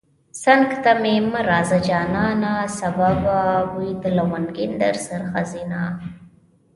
څنگ ته مې مه راځه جانانه سبا به بوی د لونگين درڅخه ځينه